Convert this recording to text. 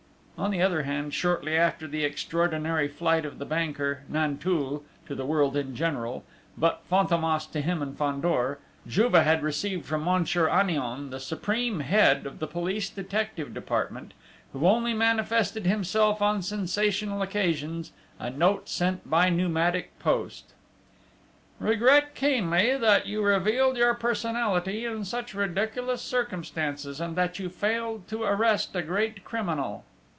On the other hand, shortly after the extraordinary flight of the banker Nanteuil to the world in general but Fantômas to him and Fandor Juve had received from Monsieur Annion, the supreme head of the police detective department, who only manifested himself on sensational occasions, a note sent by pneumatic post: "_Regret keenly that you revealed your personality in such ridiculous circumstances, and that you failed to arrest a great criminal.